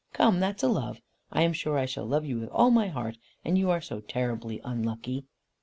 Come, that's a love. I am sure I shall love you with all my heart, and you are so terribly unlucky."